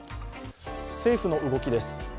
政府の動きです。